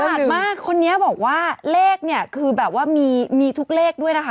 มากคนนี้บอกว่าเลขเนี่ยคือแบบว่ามีทุกเลขด้วยนะคะ